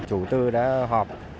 chủ tư đã họp